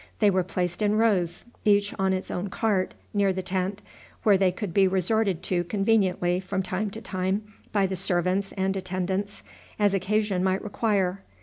They were placed in rows, each on its own cart, near the tent, where they could be resorted to conveniently from time to time by the servants and attendants, as occasion might require.